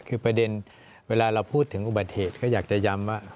คือประเด็นเวลาเราพูดถึงอุบัติเหตุก็อยากจะย้ำว่า